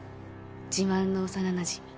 自慢の幼なじみ。